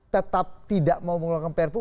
tetap tidak mau mengeluarkan prpu